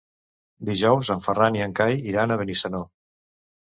Dijous en Ferran i en Cai iran a Benissanó.